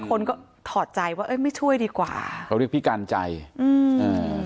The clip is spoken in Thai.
คนก็ถอดใจว่าเอ้ยไม่ช่วยดีกว่าเขาเรียกพี่กันใจอืมอ่า